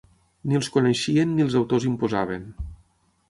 Ni els coneixien ni els autors imposaven.